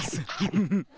フフフッ。